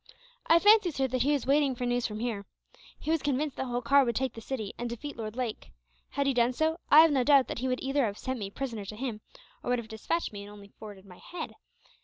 "I fancy, sir, that he was waiting for news from here. He was convinced that Holkar would take the city, and defeat Lord Lake. Had he done so, I have no doubt that he would either have sent me prisoner to him, or would have despatched me and forwarded only my head.